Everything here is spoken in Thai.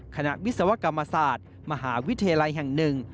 วิศวกรรมศาสตร์มหาวิทยาลัยแห่งหนึ่ง